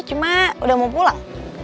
cuma udah mau pulang